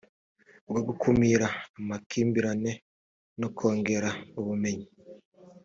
bwo gukumira amakimbirane no kongera ubumenyi